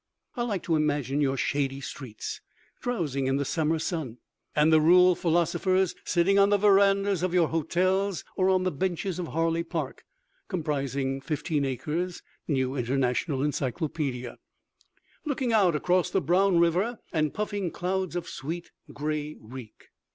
I like to imagine your shady streets, drowsing in the summer sun, and the rural philosophers sitting on the verandas of your hotels or on the benches of Harley Park ("comprising fifteen acres" New International Encyclopedia), looking out across the brown river and puffing clouds of sweet gray reek.